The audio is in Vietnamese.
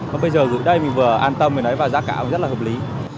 bây giờ gửi đây mình vừa an tâm và giá cả rất là hợp lý